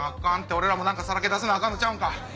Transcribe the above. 俺らも何か曝け出さなあかんとちゃうんか？